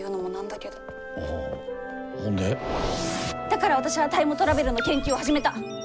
だから私はタイムトラベルの研究を始めた。